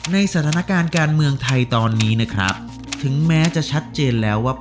ในสถานการณ์การเมืองไทยตอนนี้นะครับถึงแม้จะชัดเจนแล้วว่า